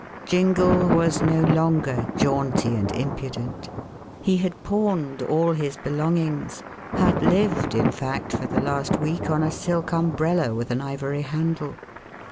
Jingle was no longer jaunty and impudent. He had pawned all his belongings; had lived, in fact, for the last week on a silk umbrella with an ivory handle.